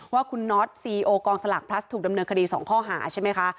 ว่าคุณน็อตซีโอกองสลากพลัสถูกดำเนินคดี๒ข้อหาใช่ไหมคะ